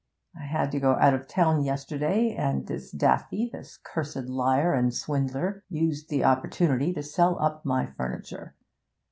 I had to go out of town yesterday, and this Daffy, this cursed liar and swindler, used the opportunity to sell up my furniture.